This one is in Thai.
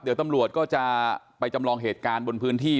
เราจะไปจำลองเหตุการณ์บนพื้นที่